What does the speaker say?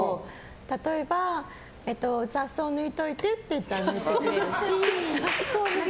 例えば雑草抜いておいてって言ったら抜いてくれるし。